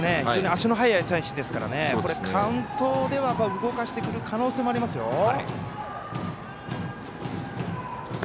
非常に足の速い選手ですからカウントでは動かしていく可能性ありますよ。